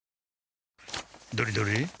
どれどれ？